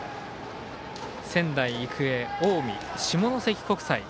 仙台育英、近江下関国際。